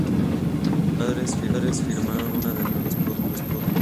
Los padres firmaron una demanda contra los productores.